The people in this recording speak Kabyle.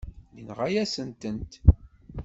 Yenɣa-yasen-tent.